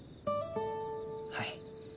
はい。